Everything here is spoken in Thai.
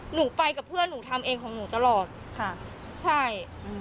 หนูไปกับเพื่อนหนูทำเองของหนูตลอดค่ะใช่อืม